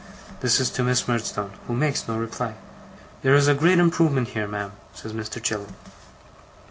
This is to Miss Murdstone, who makes no reply. 'There is a great improvement here, ma'am?' says Mr. Chillip.